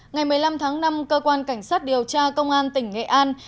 ngày một mươi năm tháng năm cơ quan cảnh sát điều tra công an tỉnh nghệ an